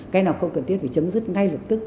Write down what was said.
cái nào không cần thiết phải chấm dứt ngay lập tức